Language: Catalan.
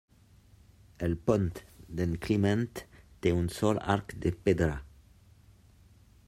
El pont d'en Climent té un sol arc de pedra.